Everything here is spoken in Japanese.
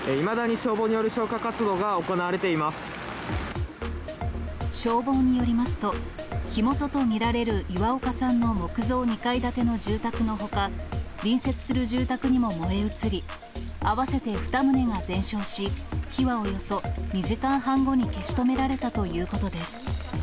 消防によりますと、火元と見られる岩岡さんの木造２階建ての住宅のほか、隣接する住宅にも燃え移り、合わせて２棟が全焼し、火はおよそ２時間半後に消し止められたということです。